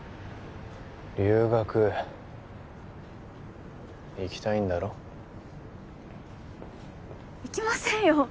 留学行きたいんだろ行きませんよ